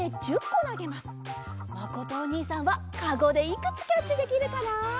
まことおにいさんはカゴでいくつキャッチできるかな？